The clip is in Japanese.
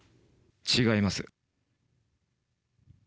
違います。